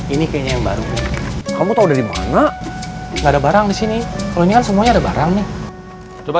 ini kayaknya yang baru kamu tahu dari mana enggak ada barang di sini kalau ini kan semuanya ada barangnya coba